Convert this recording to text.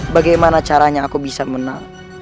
bagaimana caranya aku bisa menang